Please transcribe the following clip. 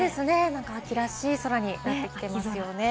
秋らしい空になってますよね。